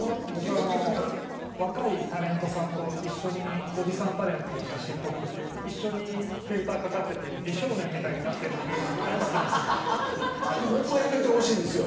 若いタレントさんと一緒におじさんタレントが写真撮ってて一緒にフィルターかかってて美少年みたいになってるのほんまやめてほしいですよ。